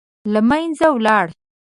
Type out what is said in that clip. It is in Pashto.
له منځه ولاړ.